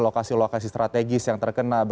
lokasi lokasi strategis yang terkena